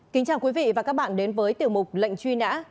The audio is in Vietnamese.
kính chào quý vị và các bạn đến với tiểu mục lệnh truy nã